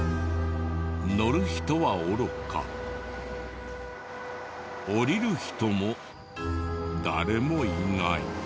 乗る人はおろか降りる人も誰もいない。